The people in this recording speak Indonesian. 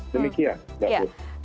demikian mbak putri